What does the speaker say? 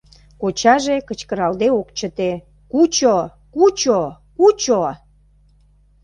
Кочаже кычкыралде ок чыте: — Кучо, кучо... кучо!